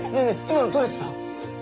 今の撮れてた？